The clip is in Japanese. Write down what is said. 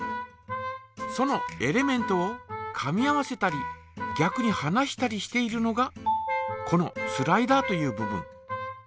そのエレメントをかみ合わせたりぎゃくにはなしたりしているのがこのスライダーという部分。